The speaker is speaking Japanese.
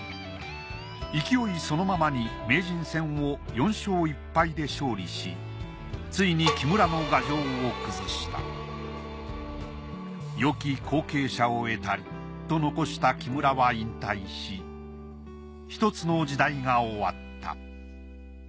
勢いそのままに名人戦を４勝１敗で勝利しついに木村の牙城を崩したと残した木村は引退し一つの時代が終わった。